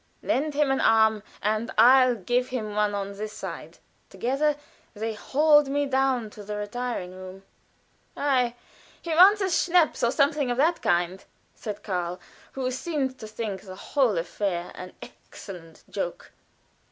"Lend him an arm, and I'll give him one on this side." Together they hauled me down to the retiring room. "Ei! he wants a schnapps, or something of the kind," said Karl, who seemed to think the whole affair an excellent joke.